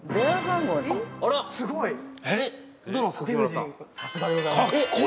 ◆すごい。